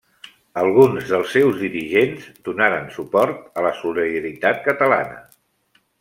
Alguns dels seus dirigents donaren suport a la Solidaritat Catalana.